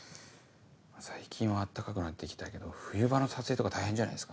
最近は暖かくなって来たけど冬場の撮影とか大変じゃないですか？